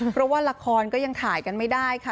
เพราะว่าละครก็ยังถ่ายกันไม่ได้ค่ะ